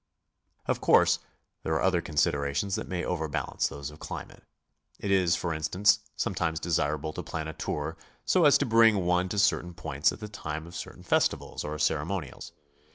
Of course there are other considerations that may over balance those of climate. It is, for instance, sometimes de sirable to plan a tour so as to bring one to certain points at the time of certain festivals or cereimonials.